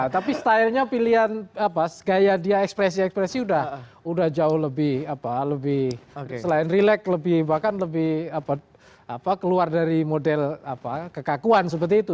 tapi stylenya pilihan gaya dia ekspresi ekspresi udah jauh lebih selain relax bahkan lebih keluar dari model kekakuan seperti itu